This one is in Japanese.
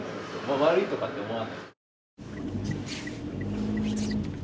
悪いとかって思わない。